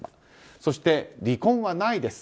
そして、離婚はないです。